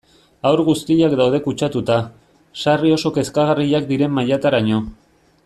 Haur guztiak daude kutsatuta, sarri oso kezkagarriak diren mailataraino.